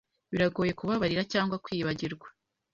Biragoye kubabarira cyangwa kwibagirwa?